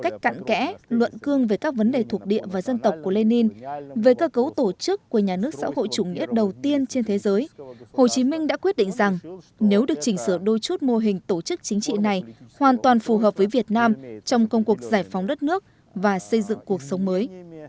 các cạn kẽ luận cương về các vấn đề thuộc địa và dân tộc của lenin về cơ cấu tổ chức của nhà nước xã hội chủ nghĩa đầu tiên trên thế giới hồ chí minh đã quyết định rằng nếu được chỉnh sửa đôi chút mô hình tổ chức chính trị này hoàn toàn phù hợp với việt nam trong công cuộc giải phóng đất nước và xây dựng cuộc sống mới